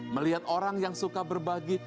melihat orang yang suka berbagi